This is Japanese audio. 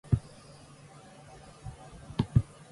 広くはないが瀟洒とした心持ち好く日の当たる所だ